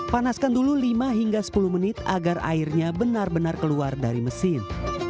panaskan dulu lima hingga sepuluh menit agar airnya benar benar keluar dari mesin